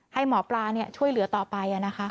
ให้หมอปลาช่วยเหลือต่อไป